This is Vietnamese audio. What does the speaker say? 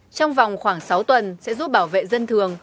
trong vòng khoảng sáu tuần sẽ giúp bảo vệ dân thường